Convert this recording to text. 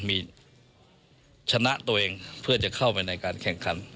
มีชนะตัวเองเพื่อจะเข้าไปในการแข่งขัน